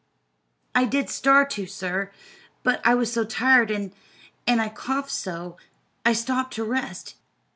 "I did start to, sir, but I was so tired, an' an' I coughed so, I stopped to rest.